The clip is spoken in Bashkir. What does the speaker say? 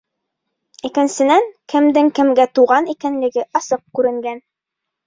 Икенсенән, кемдең кемгә туған икәнлеге асыҡ күренгән.